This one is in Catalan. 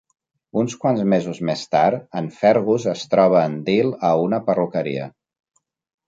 Uns quants mesos més tard, en Fergus es troba en Dil a una perruqueria.